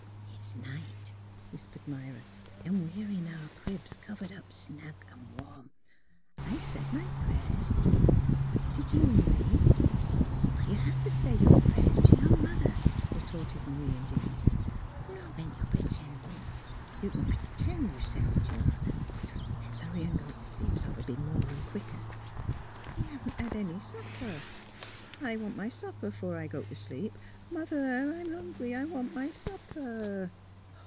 '' It's night," whispered Myra, ^' an' we're in our cribs, covered up snug an' warm. I said my prayers; did you, M'rie! "" But you have to say prayers to your mother,'* retorted M'rie, indignantly. " Not when you're p 'tending. You can p'tend you've said 'em to your mother. Let's hurry an* go to sleep; so 't'll be morning quicker." '^ We haven't had any supper. I want my sup per b'fore I go to sleep. Mother, I'm hungry. I want my supper!